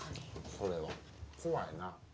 それはこわいな。